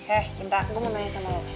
eh cinta gue mau tanya sama lo